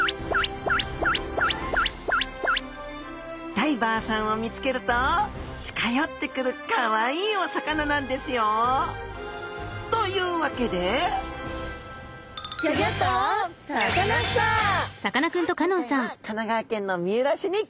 ダイバーさんを見つけると近寄ってくるかわいいお魚なんですよ！というわけでさあ今回は神奈川県の三浦市に来ましたよ。